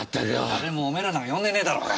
誰もおめえらなんか呼んでねえだろうが。